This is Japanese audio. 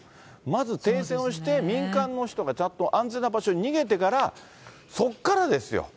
まず停戦をして、民間の人がちゃんと安全な場所に逃げてから、そこからですよ。